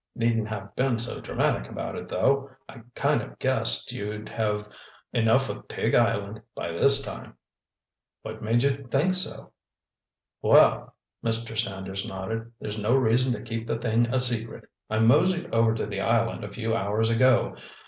Needn't have been so dramatic about it, though. I kind of guessed you'd have enough of Pig Island by this time." "What made you think so?" "Well," Mr. Sanders nodded, "there's no reason to keep the thing a secret. I moseyed over to the island a few hours ago.